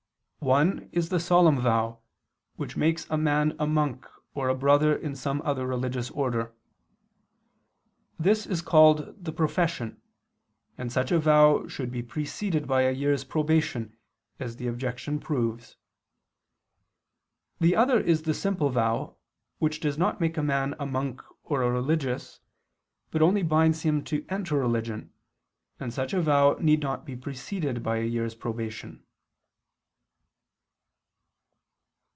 One is the solemn vow which makes a man a monk or a brother in some other religious order. This is called the profession, and such a vow should be preceded by a year's probation, as the objection proves. The other is the simple vow which does not make a man a monk or a religious, but only binds him to enter religion, and such a vow need not be preceded by a year's probation.